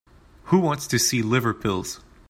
Who wants to see liver pills?